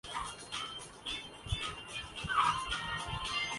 وہ سیاسی رومان کو مسترد کرتی ہے۔